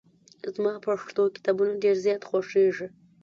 زما پښتو کتابونه ډېر زیات خوښېږي.